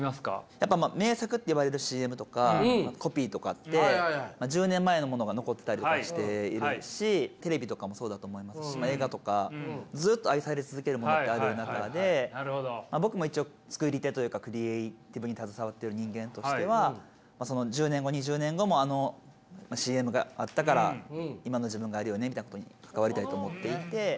やっぱ名作っていわれるＣＭとかコピーとかって１０年前のものが残っていたりとかしているしテレビとかもそうだと思いますしまあ映画とかずっと愛され続けるものってある中で僕も一応作り手というかクリエーティブに携わっている人間としてはその１０年後２０年後もあのＣＭがあったから今の自分があるよねみたいなことに関わりたいと思っていて。